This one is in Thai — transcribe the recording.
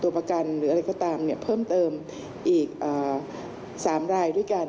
ตัวประกันหรืออะไรก็ตามเพิ่มเติมอีก๓รายด้วยกัน